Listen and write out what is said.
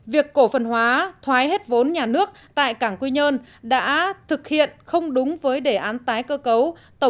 việc cổ phần hóa thoái hết vốn nhà nước tại cảng quy nhơn đã thực hiện không đúng với đề án tái cơ cấu